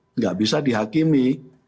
tidak bisa dihakimi